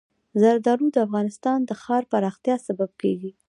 زردالو د افغانستان د ښاري پراختیا سبب کېږي.